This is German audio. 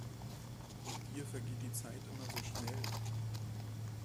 Mit dir vergeht die Zeit immer so schnell.